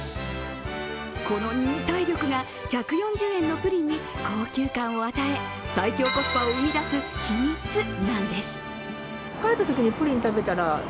この忍耐力が１４０円のプリンに高級感を与え、最強コスパを生み出す秘密なんです。